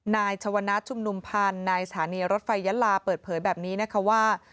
นายชวนนัทชุมนุมพันธ์นายสถานีรถไฟยะลาเปิดเผยแบบนี้นะคะว่า